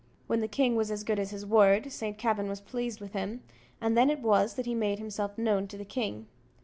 When the king was as good as his word, Saint Kavin was pleased with him, and then it was that he made himself known to the king.